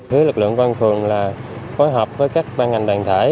với lực lượng quan phường là phối hợp với các ban ngành đoàn thể